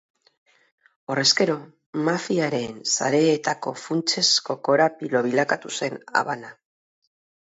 Horrezkero mafiaren sareetako funtsezko korapilo bilakatu zen Habana.